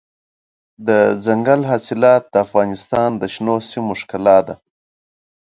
دځنګل حاصلات د افغانستان د شنو سیمو ښکلا ده.